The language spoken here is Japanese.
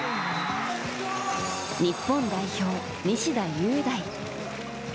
日本代表、西田優大。